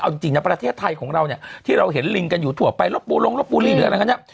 เอาจริงนะประเทศไทยของเราเนี่ยที่เราเห็นลิงกันอยู่ทั่วไปลบปูลงลบบุรีหรืออะไรกันเนี่ย